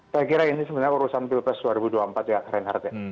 saya kira ini sebenarnya urusan pilpres dua ribu dua puluh empat ya reinhardt ya